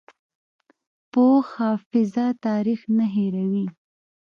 پوخ حافظه تاریخ نه هېروي